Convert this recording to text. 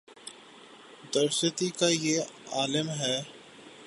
درستی کا یہ عالم ہے۔